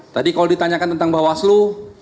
tadi kalau ditanyakan tentang bawaslu